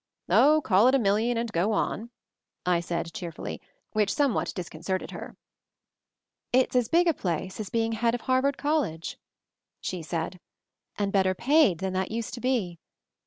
"Oh, call it a million, and go on," I said cheerfully; which somewhat disconcerted her. "It's as big a place as being head of Har vard College," she said, "and better paid than that used to be.